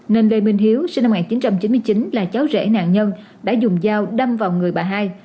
nên lê minh hiếu sinh năm một nghìn chín trăm chín mươi chín là cháu rễ nạn nhân đã dùng dao đâm vào người bà hai